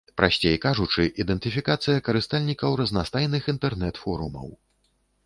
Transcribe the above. Прасцей кажучы, ідэнтыфікацыя карыстальнікаў разнастайных інтэрнэт-форумаў.